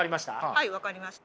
はい分かりました。